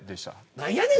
何やねん！